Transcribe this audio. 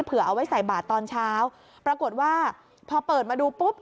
เอาไว้ใส่บาทตอนเช้าปรากฏว่าพอเปิดมาดูปุ๊บ